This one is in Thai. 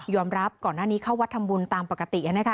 รับก่อนหน้านี้เข้าวัดทำบุญตามปกติ